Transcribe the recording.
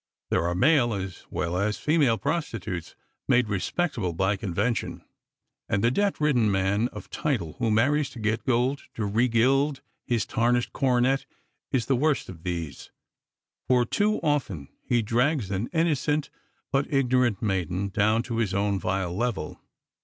There are male as well as female prostitutes made respectable by convention, and the debt burdened man of title who marries to get gold to re gild his tarnished coronet is the worst of these; for too often he drags an innocent but ignorant maiden down to his own vile level.